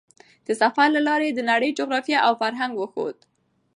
د سفر له لارې یې د نړۍ جغرافیه او فرهنګ وښود.